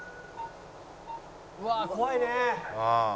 「うわあ怖いね！」